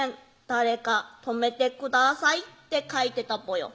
「誰か泊めてください」って書いてたぽよ